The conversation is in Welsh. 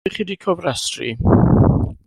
Ydych chi wedi cofrestru?